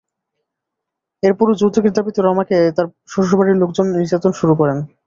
এরপরও যৌতুকের দাবিতে রমাকে তাঁর শ্বশুর বাড়ির লোকজন নির্যাতন শুরু করেন।